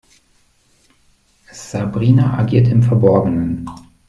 Sabrina agiert im Verborgenen.